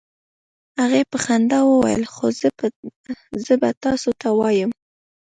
هغې په خندا وویل: "خو زه به تاسو ته ووایم،